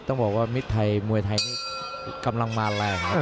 ต้องบอกว่ามิตรไทยมวยไทยนี่กำลังมาแรงครับ